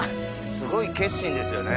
すごい決心ですよね。